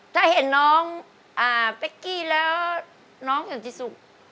ถ้าเห็นน้องเป๊กกี้แล้วน้องเห็นที่สุข